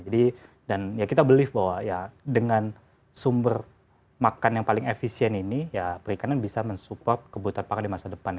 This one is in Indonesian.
jadi dan ya kita believe bahwa ya dengan sumber makan yang paling efisien ini ya perikanan bisa mensupport kebutuhan pakan di masa depan